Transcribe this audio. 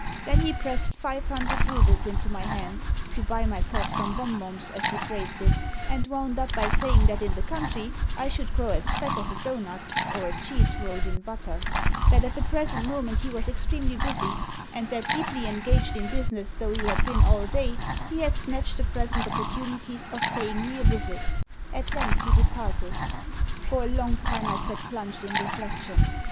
Then he pressed five hundred roubles into my hand to buy myself some bonbons, as he phrased it and wound up by saying that in the country I should grow as fat as a doughnut or a cheese rolled in butter; that at the present moment he was extremely busy; and that, deeply engaged in business though he had been all day, he had snatched the present opportunity of paying me a visit. At length he departed. For a long time I sat plunged in reflection.